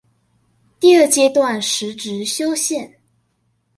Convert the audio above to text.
第二階段實質修憲